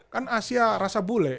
kan asia rasa bule